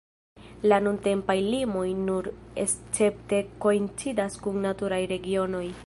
La nuntempaj limoj nur escepte koincidas kun naturaj regionoj.